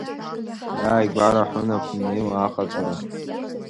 Иааигәара ҳәынаԥ мнеиуа аҟаҵара.